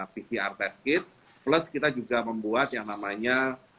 pcr test kit plus kita juga membuat yang namanya